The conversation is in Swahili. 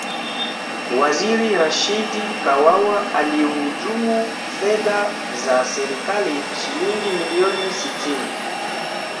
waziri rashid kawawa alihujumu fedha za serikali shilingi milioni sitini